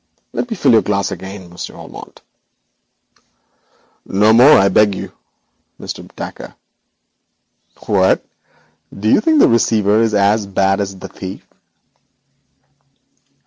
Let me fill your glass again, Monsieur Valmont.' 'No more, I beg of you, Mr. Dacre.' 'What, do you think the receiver is as bad as the thief?'